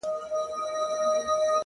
عاجزي د لویوالي ښکاره نښه ده.